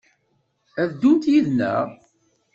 Ad d-ddunt yid-neɣ?